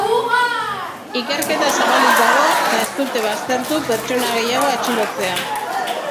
Ikerketa zabalik dago eta ez dute baztertu pertsona gehiago atxilotzea.